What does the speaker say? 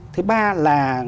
thứ ba là